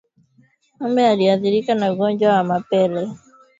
Ngombe aliyeathirika na ugonjwa wa mapele